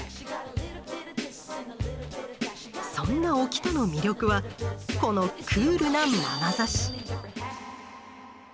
そんなおきたの魅力はこのクールなまなざし。